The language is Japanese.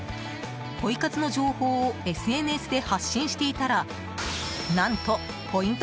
ポイ活の情報をＳＮＳで発信していたら何と、ポイント